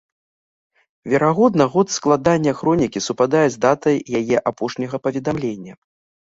Верагодна год складання хронікі супадае з датай яе апошняга паведамлення.